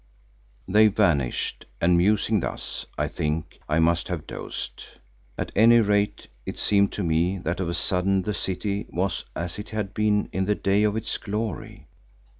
They vanished, and musing thus I think I must have dozed. At any rate it seemed to me that of a sudden the city was as it had been in the days of its glory.